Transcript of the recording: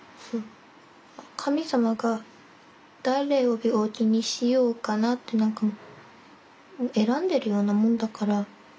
神さまが「だれを病気にしようかな」って選んでるようなもんだから。